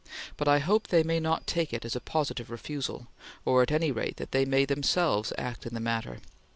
But I hope they may not take it as a positive refusal, or at any rate that they may themselves act in the matter.